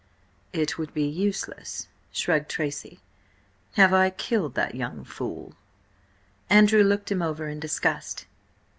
"It would be useless," shrugged Tracy. "Have I killed that young fool?" Andrew looked him over in disgust.